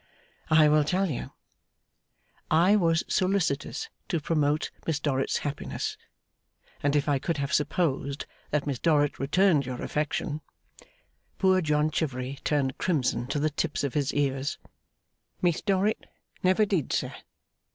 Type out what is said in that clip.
'I will tell you. I was solicitous to promote Miss Dorrit's happiness; and if I could have supposed that Miss Dorrit returned your affection ' Poor John Chivery turned crimson to the tips of his ears. 'Miss Dorrit never did, sir.